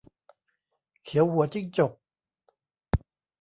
เขียวหัวจิ้งจก